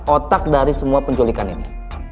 otak dari semua penculikan ini